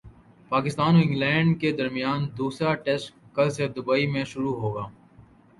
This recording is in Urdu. پاکستان اور انگلینڈ کے درمیان دوسرا ٹیسٹ کل سے دبئی میں شروع ہوگا